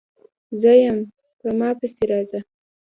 _زه يم، په ما پسې راځه!